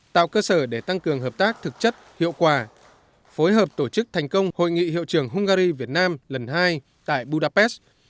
tạo cơ sở để tăng cường hợp tác thực chất hiệu quả phối hợp tổ chức thành công hội nghị hiệu trưởng hungary việt nam lần hai tại budapest